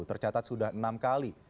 tercatat sudah enam kali